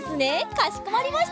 かしこまりました。